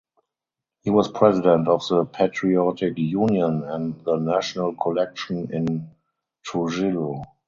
He was president of the Patriotic Union and the National Collection in Trujillo.